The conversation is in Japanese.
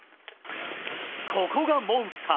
ここがモンスター。